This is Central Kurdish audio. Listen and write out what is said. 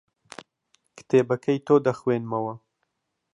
کتێبەکەی تۆ دەخوێنمەوە.